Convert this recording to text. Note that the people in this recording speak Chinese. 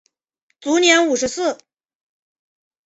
卒年五十四。